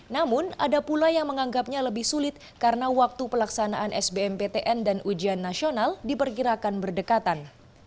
namun ada pula yang menganggapnya lebih sulit karena waktu pelaksanaan sbmptn dan ujian nasional diperkirakan berdekatan